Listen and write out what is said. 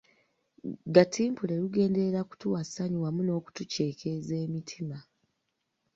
Gatimpule lugenderera kutuwa ssanyu wamu n’okutuceekeeza emitima.